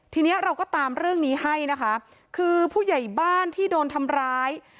ทีนี้เราก็ตามเรื่องนี้ให้นะคะคือผู้ใหญ่บ้านที่โดนทำร้าย